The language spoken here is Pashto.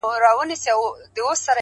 خو ما د لاس په دسمال ووهي ويده سمه زه’